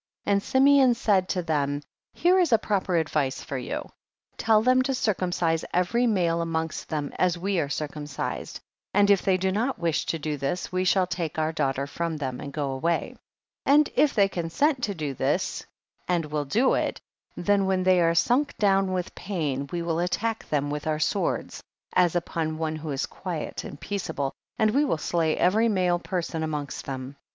37. And Simeon said to them, here is a proper advice for you ; tell them to circumcise every male amongst them as we are circumcis ed, and if they do not wish to do this, we shall take our daughter from them and go away. 38. And if they consent to do this and will do it, then when they are su7ik down with pain, we will attack them with our swords, as upon one who is quiet and peaceable, and we will slay every male person amongst them. 39.